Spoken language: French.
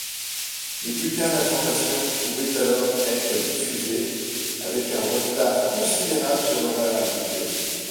Les bulletins d'informations pouvaient alors être diffusés avec un retard considérable sur l'horaire habituel.